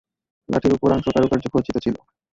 লাঠির উপরাংশ কারুকার্য খচিত ছিল।